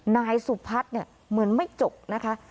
นายสุพัฒน์เนี่ยเหมือนไม่จบนะคะ